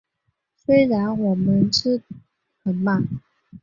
虽然我们吃很慢